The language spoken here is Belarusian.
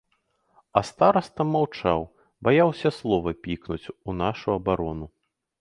А стараста маўчаў, баяўся слова пікнуць у нашу абарону.